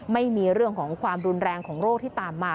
ไม่มีเรื่องของความรุนแรงของโรคที่ตามมา